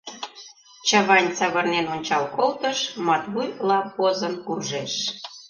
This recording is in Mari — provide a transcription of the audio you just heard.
Чавайн савырнен ончал колтыш — Матвуй лап возын куржеш.